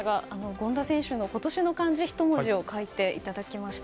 権田選手の今年の漢字一文字を書いていただきました。